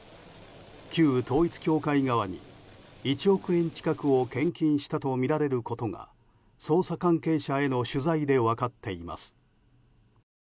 旧統一教会側に１億円近くを献金したとみられることが捜査関係者への取材で分かっています。